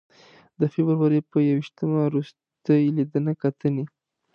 د فبروري په ی ویشتمه روستۍ لیدنې کتنې.